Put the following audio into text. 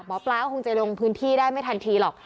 หมอปลาก็คงจะลงพื้นที่ได้ไม่ทันทีหรอก